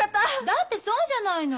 だってそうじゃないの。